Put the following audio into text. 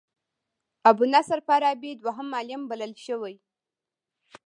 ابو نصر فارابي دوهم معلم بلل شوی.